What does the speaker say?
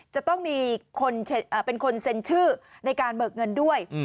จะต้องมีคนเป็นคนเซ็นชื่อในการเบิกเงินด้วย